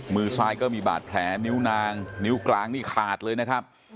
มือซ้ายก็มีบาดแผลนิ้วนางนิ้วกลางนี่ขาดเลยนะครับ